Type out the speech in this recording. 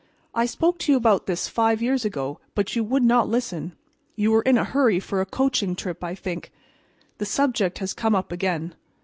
I spoke to you about this five years ago, but you would not listen—you were in a hurry for a coaching trip, I think. The subject has come up again.